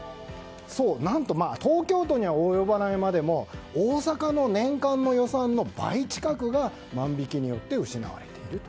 何と、東京都には及ばないまでも大阪の年間の予算の倍近くが万引きによって失われていると。